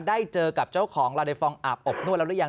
ได้เจอกับเจ้าของลาเดฟองอาบอบนวดแล้วหรือยัง